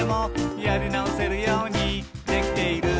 「やりなおせるようにできている」